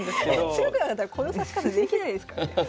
強くなかったらこの指し方できないですからね。